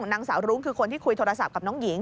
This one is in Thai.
นางสาวรุ้งคือคนที่คุยโทรศัพท์กับน้องหญิง